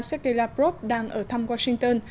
sergei lavrov đang ở thăm washington